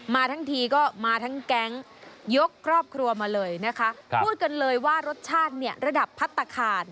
มาทั้งทีก็มาทั้งแก๊งยกครอบครัวมาเลยนะคะพูดกันเลยว่ารสชาติเนี่ยระดับพัฒนาคาร